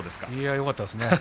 よかったですね。